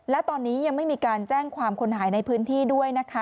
และตอนนี้ยังไม่มีการแจ้งความคนหายในพื้นที่ด้วยนะคะ